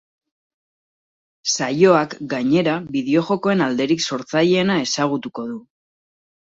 Saioak, gainera, bideojokoen alderik sortzaileena ezagutuko du.